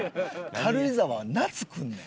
軽井沢は夏来るねん。